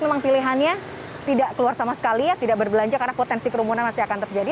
memang pilihannya tidak keluar sama sekali ya tidak berbelanja karena potensi kerumunan masih akan terjadi